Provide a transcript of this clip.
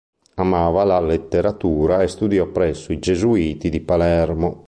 Amava la letteratura e studiò presso i gesuiti di Palermo.